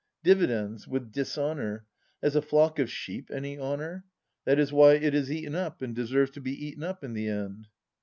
Dividends — with dishonour ! Has a flock of sheep any honour ? That is why it is eaten up, and deserves to be eaten up, in the end.